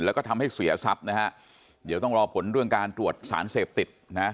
แล้วก็ทำให้เสียทรัพย์นะฮะเดี๋ยวต้องรอผลเรื่องการตรวจสารเสพติดนะ